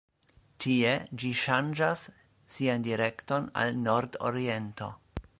Tie ĝi ŝanĝas sian direkton al nordoriento.